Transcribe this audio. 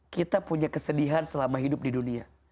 kita punya kesedihan selama hidup di dunia